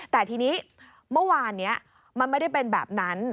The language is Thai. แต่ทีนี้เมื่อวานนี้มันไม่ได้เป็นแบบนั้น